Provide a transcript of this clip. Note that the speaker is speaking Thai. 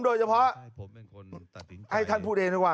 โดยเฉพาะไทยให้ท่านพูดเองดีกว่า